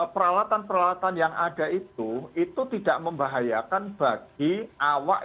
peralatan peralatan yang ada itu itu tidak membahayakan bagi awak